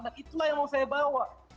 nah itulah yang mau saya bawa